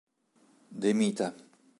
De Mita